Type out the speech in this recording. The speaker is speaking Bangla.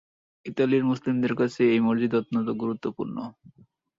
ইতালির মুসলিমদের কাছে এই মসজিদ অত্যন্ত গুরুত্বপূর্ণ।